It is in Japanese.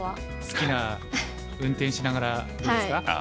好きな運転しながらどうですか？